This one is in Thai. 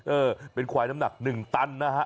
เออเป็นควายน้ำหนัก๑ตันนะฮะ